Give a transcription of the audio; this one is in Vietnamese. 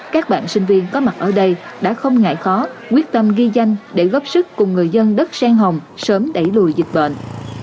các bạn sinh viên có mặt ở đây đã không ngại khó quyết tâm ghi danh để góp sức cùng người dân đất sen hồng sớm đẩy lùi dịch bệnh